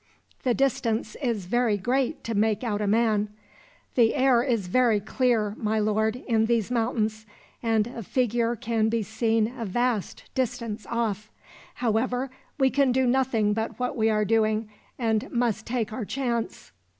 "The distance is very great to make out a man." "The air is very clear, my lord, in these mountains; and a figure can be seen a vast distance off. However, we can do nothing but what we are doing, and must take our chance."